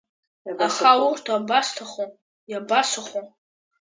Аха урҭ абасҭаху, иабасыхәо?